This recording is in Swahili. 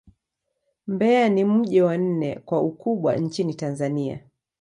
Mbeya ni mji wa nne kwa ukubwa nchini Tanzania.